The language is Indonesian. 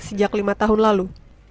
sejak lima tahun lalu